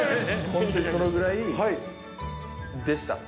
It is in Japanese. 本当にそのぐらいでした。